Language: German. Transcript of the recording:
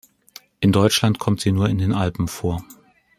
In Deutschland kommt sie nur in den Alpen vor.